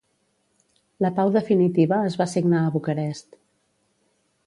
La pau definitiva es va signar a Bucarest.